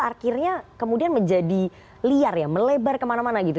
akhirnya kemudian menjadi liar ya melebar kemana mana gitu